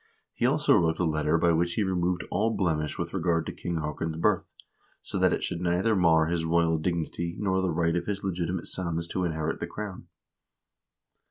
He also wrote a letter by which he removed all blemish with regard to King Haakon's birth, so that it should neither mar his royal dignity nor the right of his legitimate sons to inherit the crown.